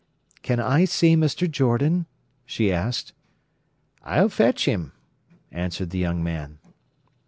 "Can I see Mr. Jordan?" she asked. "I'll fetch him," answered the young man.